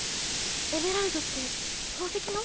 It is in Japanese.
エメラルドって宝石の？